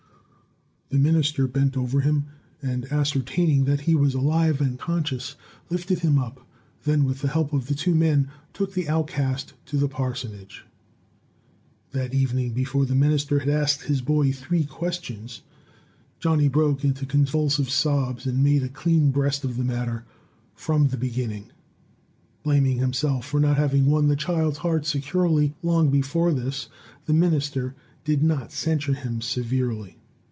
The minister bent over him, and, ascertaining that he was alive and conscious, lifted him up; then, with the help of the two men, took the outcast to the parsonage. That evening, before the minister had asked his boy three questions, Johnny broke into convulsive sobs, and made a clean breast of the matter from the beginning. Blaming himself for not having won the child's heart securely long before this, the minister did not censure him severely.